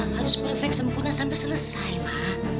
harus perfect sempurna sampai selesai pak